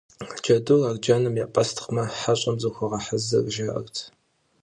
Джэдур арджэным епӀэстхъмэ, хьэщӀэм зыхуэгъэхьэзыр жаӏэрт.